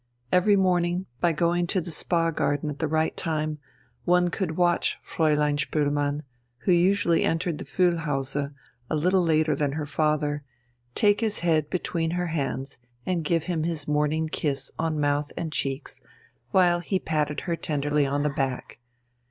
Every morning, by going to the Spa Garden at the right time, one could watch Fräulein Spoelmann, who usually entered the Füllhause a little later than her father, take his head between her hands and give him his morning kiss on mouth and cheeks, while he patted her tenderly on the back.